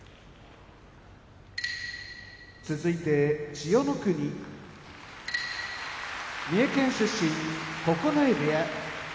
千代の国三重県出身九重部屋